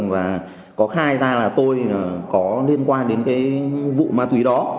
và có khai ra là tôi có liên quan đến cái vụ ma túy đó